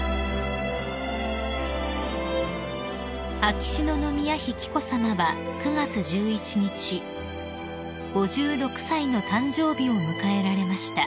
［秋篠宮妃紀子さまは９月１１日５６歳の誕生日を迎えられました］